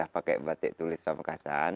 pakai batik tulis pamekasan